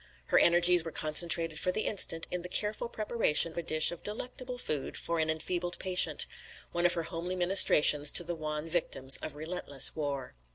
Her energies were concentrated for the instant in the careful preparation of a dish of delectable food for an enfeebled patient one of her homely ministrations to the wan victims of relentless war."